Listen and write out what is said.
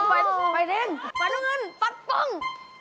อ๋อไปไปเร็งไปตรงนั้นปัดปุ้ง